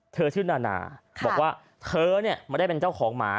เธอชื่อนานาบอกว่าเธอก็ได้เป็นเจ้าของหมา